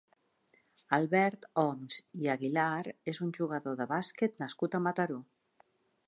Albert Homs i Aguilar és un jugador de bàsquet nascut a Mataró.